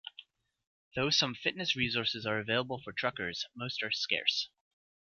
Though some fitness resources are available for truckers, most are scarce.